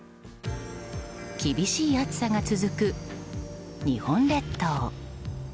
厳しい暑さが続く日本列島。